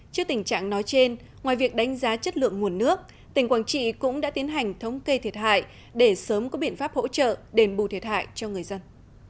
trước tình trạng nói trên ngoài việc đánh giá chất lượng nguồn nước tỉnh quảng trị cũng đã tiến hành thống kê thiệt hại để sớm có biện pháp hỗ trợ đền bù thiệt hại cho người dân